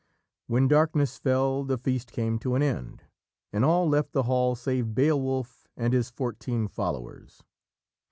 When darkness fell the feast came to an end, and all left the hall save Beowulf and his fourteen followers.